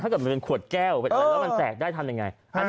ถ้าเป็นขวดแก้วแล้วมันแตกได้ทำยังไง